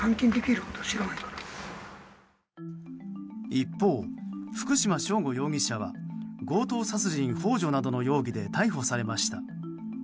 一方、福島聖悟容疑者は強盗殺人幇助などの容疑で逮捕されました。